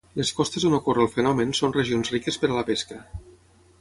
Les costes on ocorre el fenomen són regions riques per a la pesca.